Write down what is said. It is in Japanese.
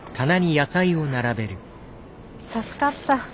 助かった。